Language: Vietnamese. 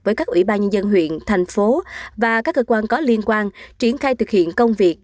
với các ủy ban nhân dân huyện thành phố và các cơ quan có liên quan triển khai thực hiện công việc